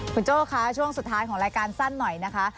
คุณโจ้คะช่วงสุดท้ายของรายการสั้นหน่อยนะคะ